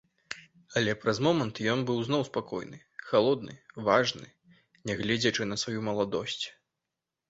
Але праз момант ён быў зноў спакойны, халодны, важны, нягледзячы на сваю маладосць.